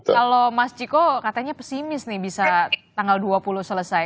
kalau mas ciko katanya pesimis nih bisa tanggal dua puluh selesai